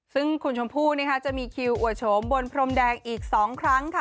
ซึ่งคุณชมพู่จะมีคิวอวดโฉมบนพรมแดงอีก๒ครั้งค่ะ